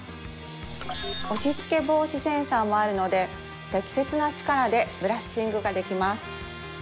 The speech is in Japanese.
押しつけ防止センサーもあるので適切な力でブラッシングができます